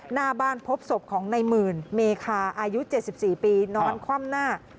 หน้าบ้านพบศพของในหมื่นเมคาอายุ๗๔ปีนอนคว่ำหน้า